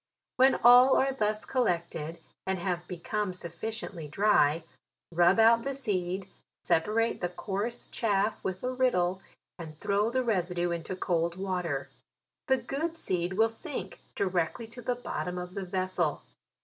When all are thus collect ed, and have become sufficiently dry, rub out the seed, separate the coarse chaff with a riddle, and throw the residue into cold water. The good seed will sink directly to the bot tom of the vessel.